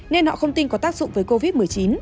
nên họ không tin có tác dụng với covid một mươi chín